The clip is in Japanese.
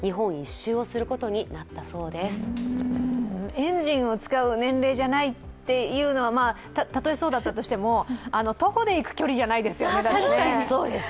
エンジンを使う年齢じゃないっていうのは、たとえそうだったとしても徒歩で行く距離じゃないですよね。